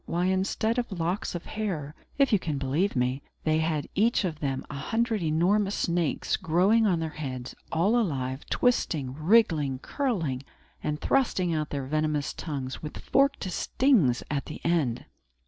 Why, instead of locks of hair, if you can believe me, they had each of them a hundred enormous snakes growing on their heads, all alive, twisting, wriggling, curling, and thrusting out their venomous tongues, with forked stings at the end!